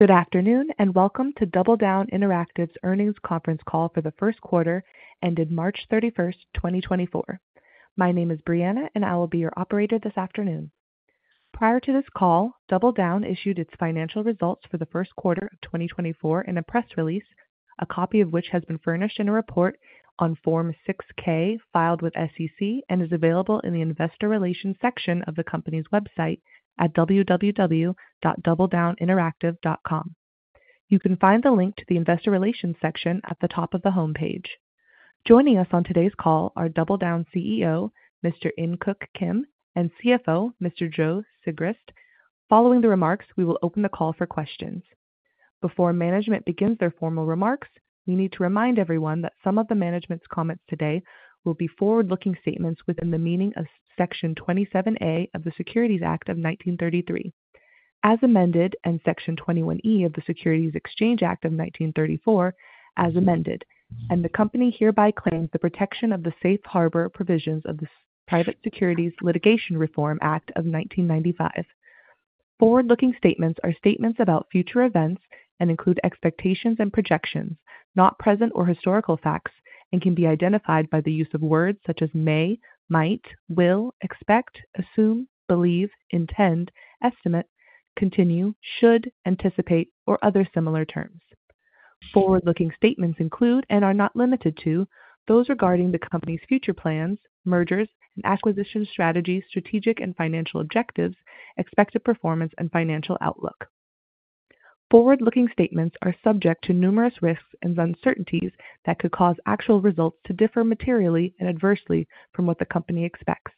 Good afternoon, and welcome to DoubleDown Interactive's earnings conference call for the first quarter, ended March 31st, 2024. My name is Brianna, and I will be your operator this afternoon. Prior to this call, DoubleDown issued its financial results for the first quarter of 2024 in a press release, a copy of which has been furnished in a report on Form 6-K, filed with the SEC, and is available in the investor relations section of the company's website at www.doubledowninteractive.com. You can find the link to the investor relations section at the top of the homepage. Joining us on today's call are DoubleDown CEO, Mr. In Keuk Kim, and CFO, Mr. Joe Sigrist. Following the remarks, we will open the call for questions. Before management begins their formal remarks, we need to remind everyone that some of the management's comments today will be forward-looking statements within the meaning of Section 27A of the Securities Act of 1933, as amended, and Section 21E of the Securities Exchange Act of 1934, as amended. The company hereby claims the protection of the safe harbor provisions of the Private Securities Litigation Reform Act of 1995. Forward-looking statements are statements about future events and include expectations and projections, not present or historical facts, and can be identified by the use of words such as may, might, will, expect, assume, believe, intend, estimate, continue, should, anticipate, or other similar terms. Forward-looking statements include, and are not limited to, those regarding the company's future plans, mergers and acquisition strategies, strategic and financial objectives, expected performance and financial outlook. Forward-looking statements are subject to numerous risks and uncertainties that could cause actual results to differ materially and adversely from what the company expects.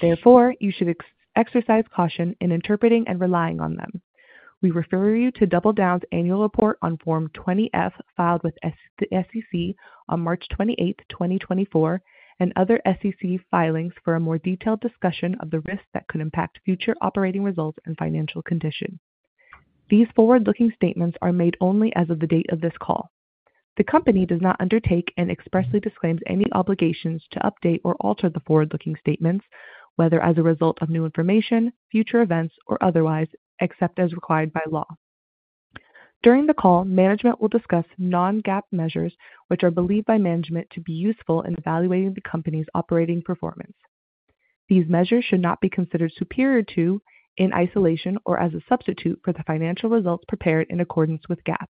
Therefore, you should exercise caution in interpreting and relying on them. We refer you to DoubleDown's annual report on Form 20-F, filed with the SEC on March 28, 2024, and other SEC filings for a more detailed discussion of the risks that could impact future operating results and financial condition. These forward-looking statements are made only as of the date of this call. The company does not undertake and expressly disclaims any obligations to update or alter the forward-looking statements, whether as a result of new information, future events, or otherwise, except as required by law. During the call, management will discuss non-GAAP measures, which are believed by management to be useful in evaluating the company's operating performance. These measures should not be considered superior to, in isolation, or as a substitute for the financial results prepared in accordance with GAAP.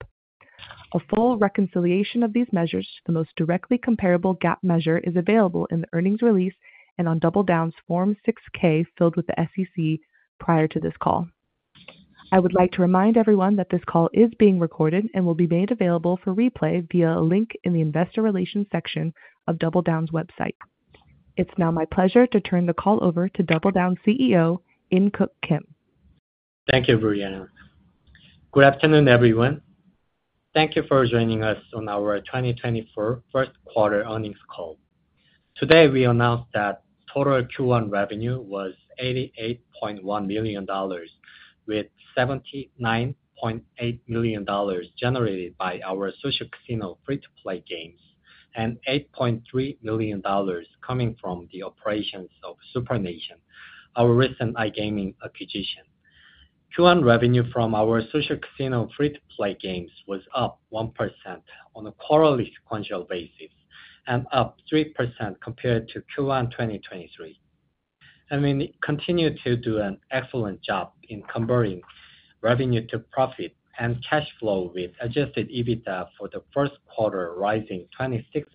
A full reconciliation of these measures to the most directly comparable GAAP measure is available in the earnings release and on DoubleDown's Form 6-K, filed with the SEC prior to this call. I would like to remind everyone that this call is being recorded and will be made available for replay via a link in the investor relations section of DoubleDown's website. It's now my pleasure to turn the call over to DoubleDown's CEO, In Keuk Kim. Thank you, Brianna. Good afternoon, everyone. Thank you for joining us on our 2024 first quarter earnings call. Today, we announced that total Q1 revenue was $88.1 million, with $79.8 million generated by our social casino free-to-play games, and $8.3 million coming from the operations of SuprNation, our recent iGaming acquisition. Q1 revenue from our social casino free-to-play games was up 1% on a quarterly sequential basis and up 3% compared to Q1 2023. We continue to do an excellent job in converting revenue to profit and cash flow, with Adjusted EBITDA for the first quarter rising 26%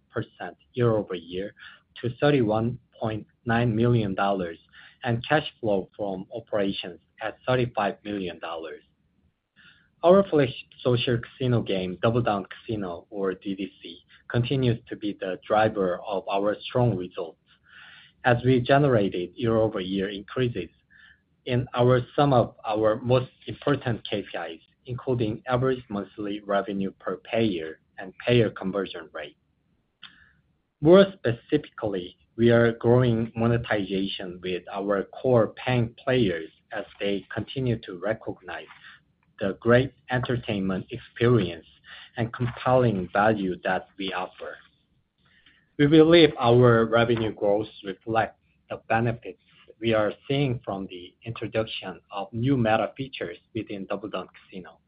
year-over-year to $31.9 million, and cash flow from operations at $35 million. Our flagship social casino game, DoubleDown Casino or DDC, continues to be the driver of our strong results as we generated year-over-year increases in some of our most important KPIs, including average monthly revenue per payer and payer conversion rate. More specifically, we are growing monetization with our core paying players as they continue to recognize the great entertainment experience and compelling value that we offer. We believe our revenue growth reflects the benefits we are seeing from the introduction of new meta features within DoubleDown Casino.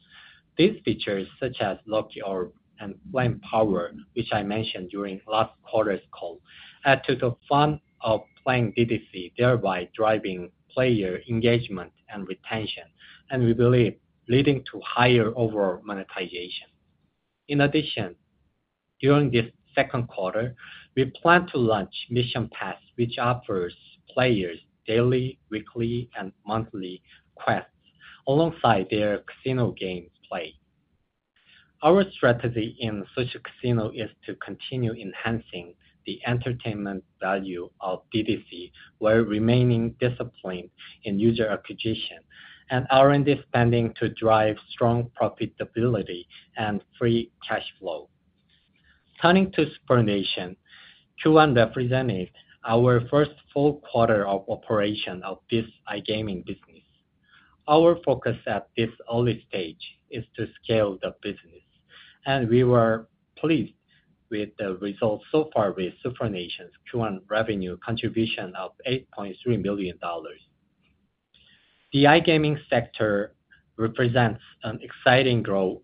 These features, such as Lucky Orb and Flame Power, which I mentioned during last quarter's call, add to the fun of playing DDC, thereby driving player engagement and retention, and we believe leading to higher overall monetization. In addition, during this second quarter, we plan to launch Mission Pass, which offers players daily, weekly, and monthly quests alongside their casino games play. Our strategy in social casino is to continue enhancing the entertainment value of DDC, while remaining disciplined in user acquisition and R&D spending to drive strong profitability and free cash flow. Turning to SuprNation, Q1 represented our first full quarter of operation of this iGaming business. Our focus at this early stage is to scale the business... and we were pleased with the results so far with SuprNation's Q1 revenue contribution of $8.3 billion. The iGaming sector represents an exciting growth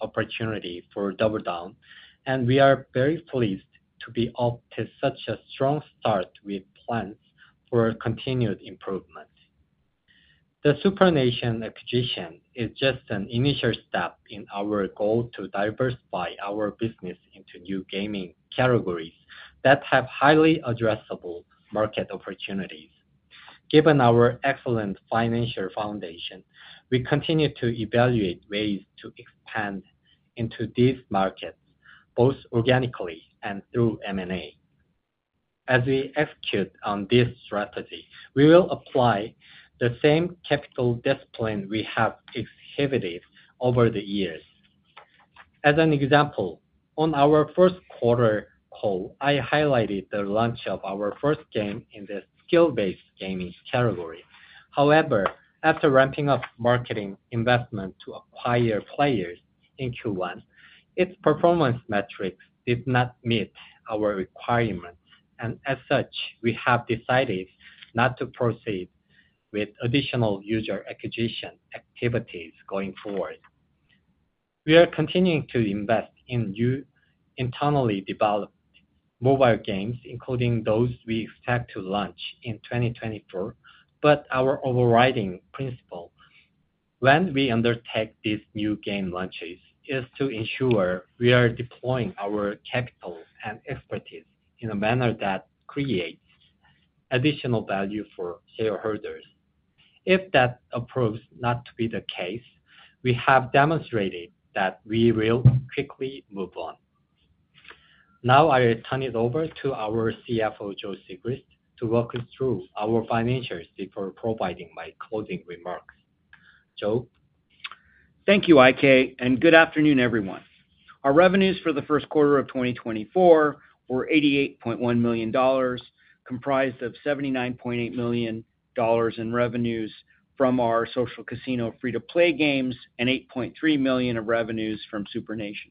opportunity for DoubleDown, and we are very pleased to be off to such a strong start with plans for continued improvement. The SuprNation acquisition is just an initial step in our goal to diversify our business into new gaming categories that have highly addressable market opportunities. Given our excellent financial foundation, we continue to evaluate ways to expand into these markets, both organically and through M&A. As we execute on this strategy, we will apply the same capital discipline we have exhibited over the years. As an example, on our first quarter call, I highlighted the launch of our first game in the skill-based gaming category. However, after ramping up marketing investment to acquire players in Q1, its performance metrics did not meet our requirements, and as such, we have decided not to proceed with additional user acquisition activities going forward. We are continuing to invest in new internally developed mobile games, including those we expect to launch in 2024, but our overriding principle when we undertake these new game launches is to ensure we are deploying our capital and expertise in a manner that creates additional value for shareholders. If that proves not to be the case, we have demonstrated that we will quickly move on. Now I will turn it over to our CFO, Joe Sigrist, to walk us through our financials before providing my closing remarks. Joe? Thank you, IK, and good afternoon, everyone. Our revenues for the first quarter of 2024 were $88.1 million, comprised of $79.8 million in revenues from our social casino free-to-play games and $8.3 million of revenues from SuprNation.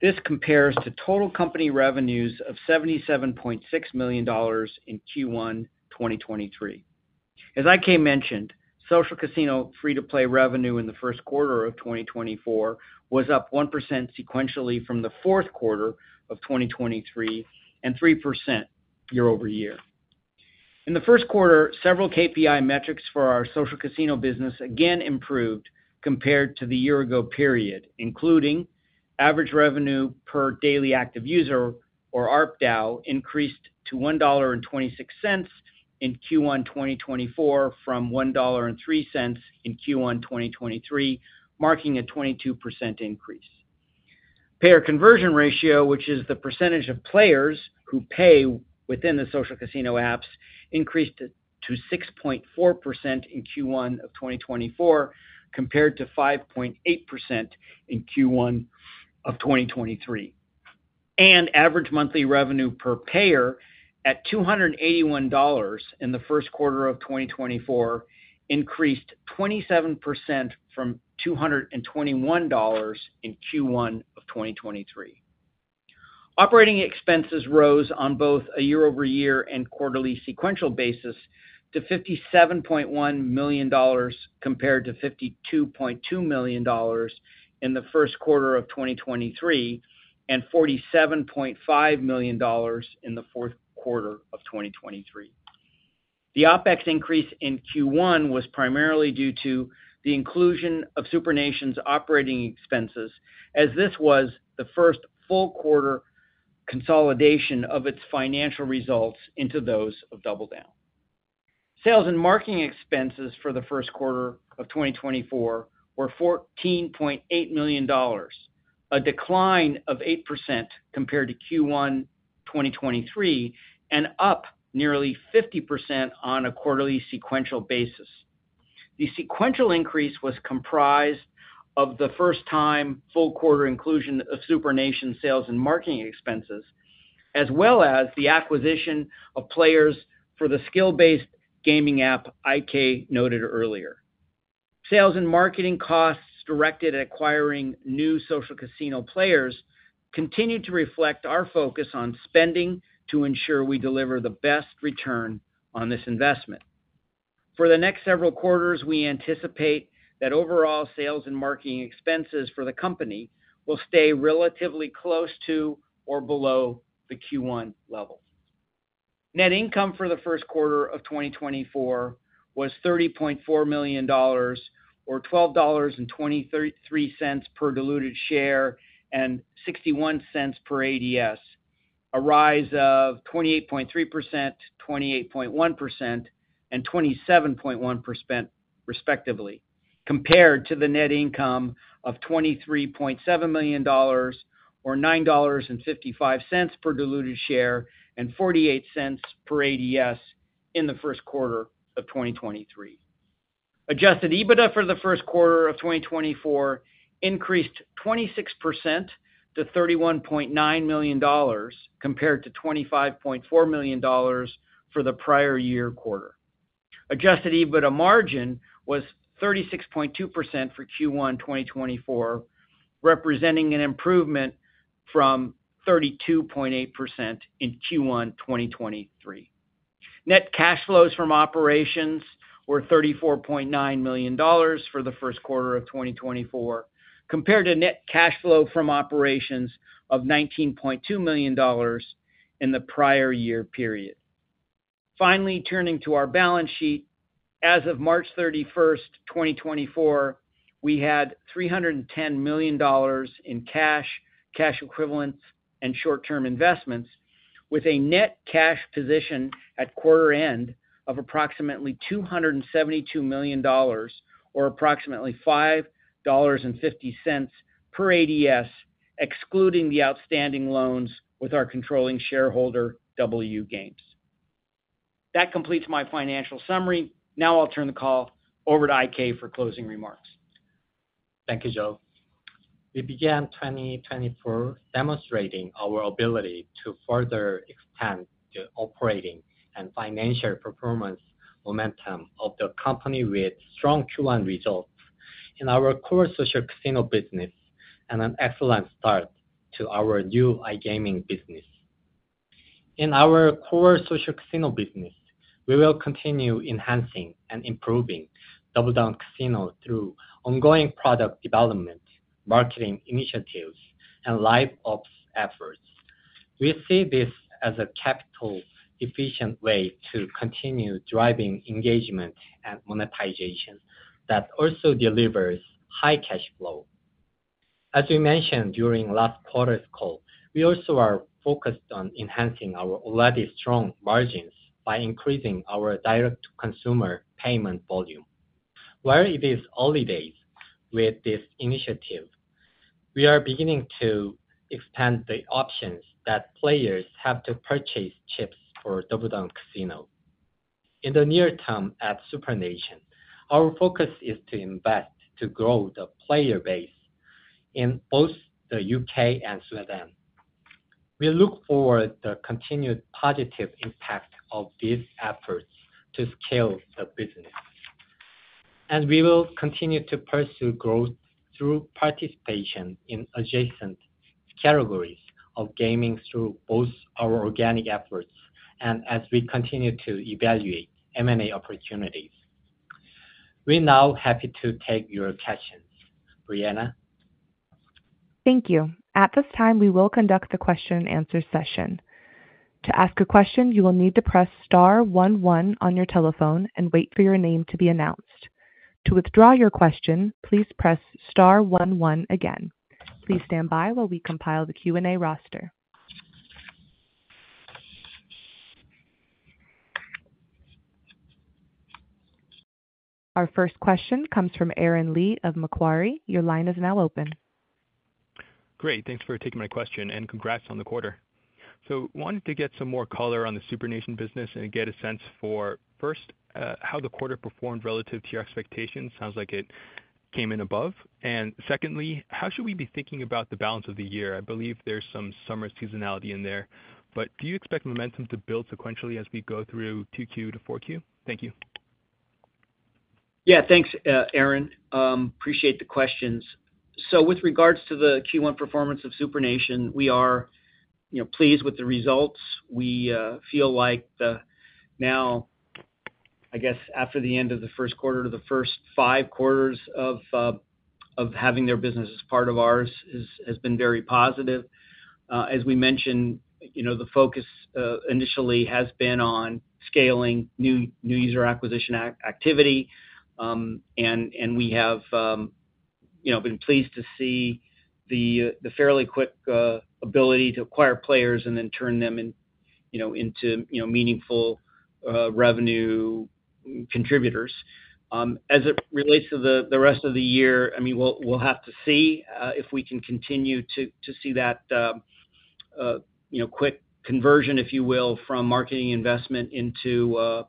This compares to total company revenues of $77.6 million in Q1 2023. As IK mentioned, social casino free-to-play revenue in the first quarter of 2024 was up 1% sequentially from the fourth quarter of 2023, and 3% year-over-year. In the first quarter, several KPI metrics for our social casino business again improved compared to the year ago period, including average revenue per daily active user, or ARPDAU, increased to $1.26 in Q1 2024, from $1.03 in Q1 2023, marking a 22% increase. Payer conversion ratio, which is the percentage of players who pay within the social casino apps, increased to 6.4% in Q1 of 2024, compared to 5.8% in Q1 of 2023. Average monthly revenue per payer at $281 in the first quarter of 2024, increased 27% from $221 in Q1 of 2023. Operating expenses rose on both a year-over-year and quarterly sequential basis to $57.1 million, compared to $52.2 million in the first quarter of 2023, and $47.5 million in the fourth quarter of 2023. The OpEx increase in Q1 was primarily due to the inclusion of SuprNation's operating expenses, as this was the first full quarter consolidation of its financial results into those of DoubleDown. Sales and marketing expenses for the first quarter of 2024 were $14.8 million, a decline of 8% compared to Q1 2023, and up nearly 50% on a quarterly sequential basis. The sequential increase was comprised of the first time full quarter inclusion of SuprNation sales and marketing expenses, as well as the acquisition of players for the skill-based gaming app IK noted earlier. Sales and marketing costs directed at acquiring new social casino players continued to reflect our focus on spending to ensure we deliver the best return on this investment. For the next several quarters, we anticipate that overall sales and marketing expenses for the company will stay relatively close to or below the Q1 level. Net income for the first quarter of 2024 was $30.4 million, or $12.23 per diluted share, and $0.61 per ADS, a rise of 28.3%, 28.1%, and 27.1%, respectively, compared to the net income of $23.7 million, or $9.55 per diluted share, and $0.48 per ADS in the first quarter of 2023. Adjusted EBITDA for the first quarter of 2024 increased 26% to $31.9 million, compared to $25.4 million for the prior year quarter. Adjusted EBITDA margin was 36.2% for Q1 2024, representing an improvement from 32.8% in Q1 2023. Net cash flows from operations were $34.9 million for the first quarter of 2024, compared to net cash flow from operations of $19.2 million in the prior year period. Finally, turning to our balance sheet. As of March 31st, 2024, we had $310 million in cash, cash equivalents, and short-term investments, with a net cash position at quarter end of approximately $272 million, or approximately $5.50 per ADS, excluding the outstanding loans with our controlling shareholder, DoubleU Games. That completes my financial summary. Now I'll turn the call over to IK for closing remarks. Thank you, Joe. We began 2024 demonstrating our ability to further expand the operating and financial performance momentum of the company with strong Q1 results in our core social casino business and an excellent start to our new iGaming business. In our core social casino business, we will continue enhancing and improving DoubleDown Casino through ongoing product development, marketing initiatives, and live ops efforts. We see this as a capital-efficient way to continue driving engagement and monetization that also delivers high cash flow. As we mentioned during last quarter's call, we also are focused on enhancing our already strong margins by increasing our direct-to-consumer payment volume. While it is early days with this initiative, we are beginning to expand the options that players have to purchase chips for DoubleDown Casino. In the near term, at SuprNation, our focus is to invest to grow the player base in both the UK and Sweden. We look forward the continued positive impact of these efforts to scale the business, and we will continue to pursue growth through participation in adjacent categories of gaming through both our organic efforts and as we continue to evaluate M&A opportunities. We're now happy to take your questions. Brianna? Thank you. At this time, we will conduct the question and answer session. To ask a question, you will need to press star one one on your telephone and wait for your name to be announced. To withdraw your question, please press star one one again. Please stand by while we compile the Q&A roster. Our first question comes from Aaron Lee of Macquarie. Your line is now open. Great, thanks for taking my question, and congrats on the quarter. So wanted to get some more color on the SuprNation business and get a sense for, first, how the quarter performed relative to your expectations. Sounds like it came in above. And secondly, how should we be thinking about the balance of the year? I believe there's some summer seasonality in there, but do you expect momentum to build sequentially as we go through 2Q to 4Q? Thank you. Yeah, thanks, Aaron. Appreciate the questions. So with regards to the Q1 performance of SuprNation, we are, you know, pleased with the results. We feel like the-- now, I guess, after the end of the first quarter to the first five quarters of having their business as part of ours is-- has been very positive. As we mentioned, you know, the focus initially has been on scaling new user acquisition activity, and we have, you know, been pleased to see the fairly quick ability to acquire players and then turn them into meaningful revenue contributors. As it relates to the rest of the year, I mean, we'll have to see if we can continue to see that, you know, quick conversion, if you will, from marketing investment into,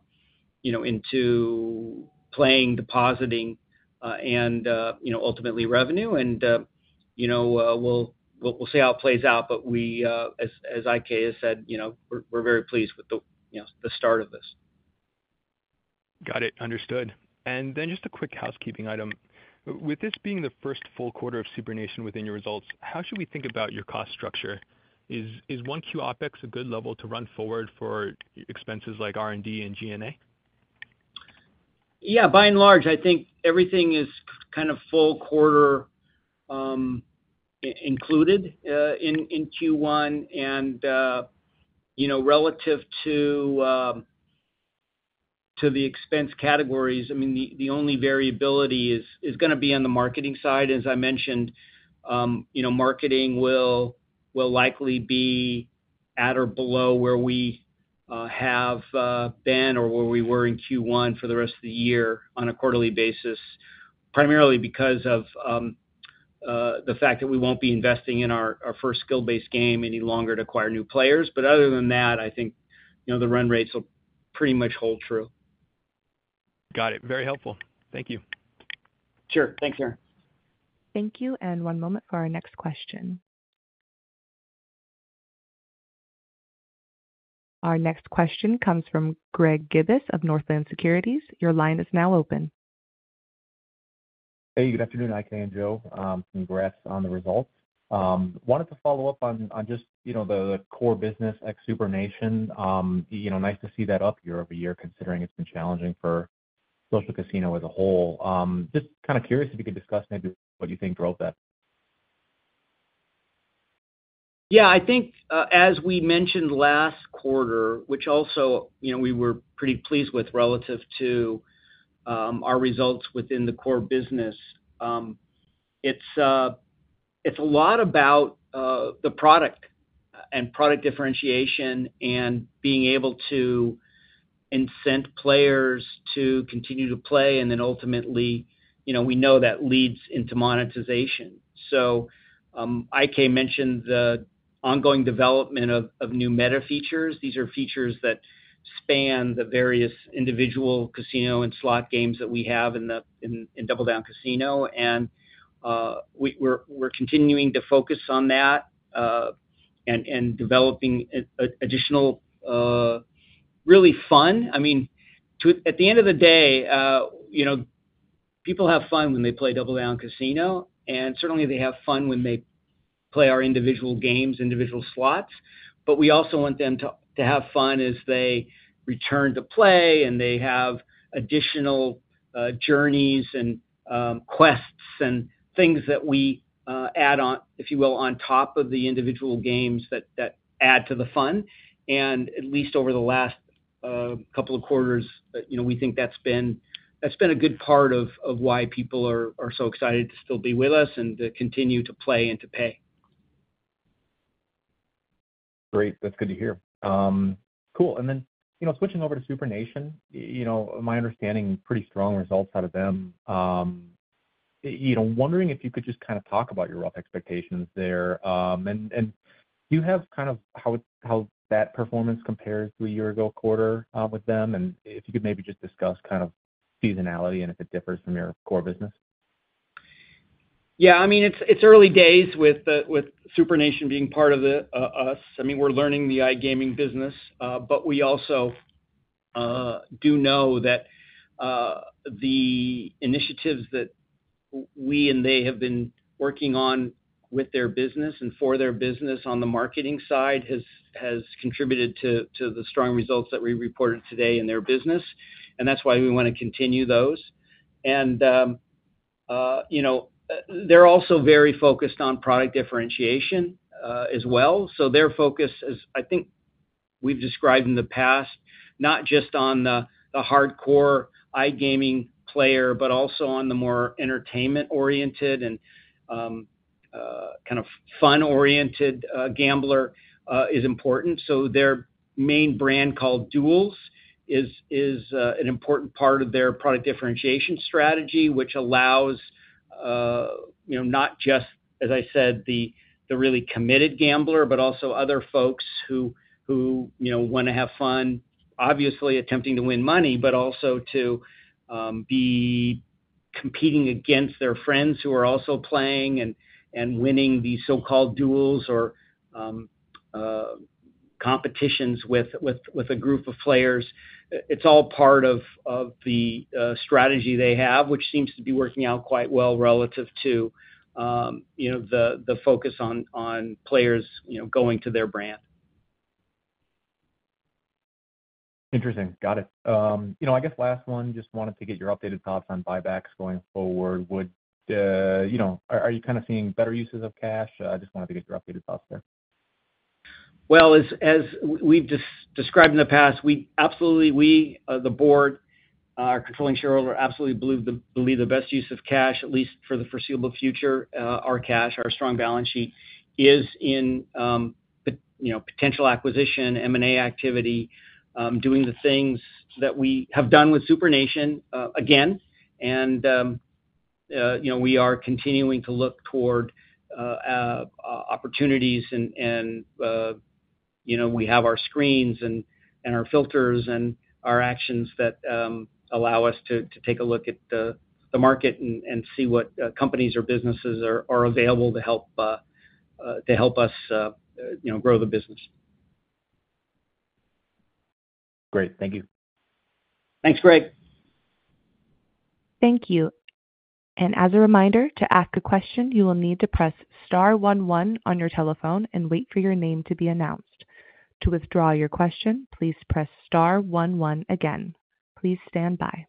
you know, into playing, depositing, and, you know, ultimately revenue. And, you know, we'll see how it plays out, but we, as IK has said, you know, we're very pleased with the, you know, the start of this. Got it. Understood. Then just a quick housekeeping item. With this being the first full quarter of SuprNation within your results, how should we think about your cost structure? Is 1Q OpEx a good level to run forward for expenses like R&D and G&A? Yeah, by and large, I think everything is kind of full quarter included in Q1. And you know, relative to the expense categories, I mean, the only variability is gonna be on the marketing side. As I mentioned, you know, marketing will likely be at or below where we have been or where we were in Q1 for the rest of the year on a quarterly basis. Primarily because of the fact that we won't be investing in our first skill-based game any longer to acquire new players. But other than that, I think, you know, the run rates will pretty much hold true. Got it. Very helpful. Thank you. Sure. Thanks, Aaron. Thank you, and one moment for our next question. Our next question comes from Greg Gibas of Northland Securities. Your line is now open. Hey, good afternoon, IK and Joe, congrats on the results. Wanted to follow up on, on just, you know, the core business at SuprNation. You know, nice to see that up year-over-year, considering it's been challenging for social casino as a whole. Just kind of curious if you could discuss maybe what you think drove that? Yeah, I think, as we mentioned last quarter, which also, you know, we were pretty pleased with relative to our results within the core business. It's a lot about the product and product differentiation and being able to incent players to continue to play, and then ultimately, you know, we know that leads into monetization. So, IK mentioned the ongoing development of new meta features. These are features that span the various individual casino and slot games that we have in DoubleDown Casino, and we're continuing to focus on that and developing additional... really fun, I mean, at the end of the day, you know, people have fun when they play DoubleDown Casino, and certainly they have fun when they play our individual games, individual slots. But we also want them to have fun as they return to play, and they have additional journeys and quests and things that we add on, if you will, on top of the individual games that add to the fun. At least over the last couple of quarters, you know, we think that's been a good part of why people are so excited to still be with us and to continue to play and to pay. Great. That's good to hear. Cool, and then, you know, switching over to SuprNation, you know, my understanding, pretty strong results out of them. You know, wondering if you could just kind of talk about your rough expectations there, and do you have kind of how that performance compares to a year ago quarter, with them? And if you could maybe just discuss kind of seasonality and if it differs from your core business. Yeah, I mean, it's early days with SuprNation being part of the us. I mean, we're learning the iGaming business, but we also do know that the initiatives that we and they have been working on with their business and for their business on the marketing side has contributed to the strong results that we reported today in their business, and that's why we want to continue those. And you know, they're also very focused on product differentiation, as well. So their focus is, I think we've described in the past, not just on the hardcore iGaming player, but also on the more entertainment-oriented and kind of fun-oriented gambler is important. So their main brand, called Duelz, is an important part of their product differentiation strategy, which allows, you know, not just, as I said, the really committed gambler, but also other folks who, you know, want to have fun, obviously attempting to win money, but also to be competing against their friends who are also playing and winning these so-called duels or competitions with a group of players. It's all part of the strategy they have, which seems to be working out quite well relative to, you know, the focus on players, you know, going to their brand. Interesting. Got it. You know, I guess last one, just wanted to get your updated thoughts on buybacks going forward. You know... Are you kind of seeing better uses of cash? I just wanted to get your updated thoughts there. Well, as we've described in the past, we absolutely, we, the board, our controlling shareholder, absolutely believe the best use of cash, at least for the foreseeable future, our cash, our strong balance sheet, is in, the, you know, potential acquisition, M&A activity. Doing the things that we have done with SuprNation, again, and, you know, we are continuing to look toward, opportunities and, and, you know, we have our screens and, and our filters and our actions that, allow us to, to take a look at the, the market and, and see what, companies or businesses are, are available to help, to help us, you know, grow the business. Great. Thank you. Thanks, Greg. Thank you. And as a reminder, to ask a question, you will need to press star one one on your telephone and wait for your name to be announced. To withdraw your question, please press star one one again. Please stand by.